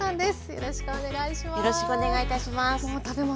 よろしくお願いします。